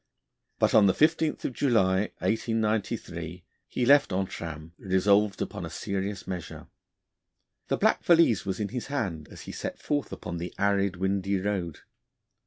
But on the 15th of July 1893, he left Entrammes, resolved upon a serious measure. The black valise was in his hand, as he set forth upon the arid, windy road.